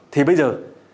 thì bây giờ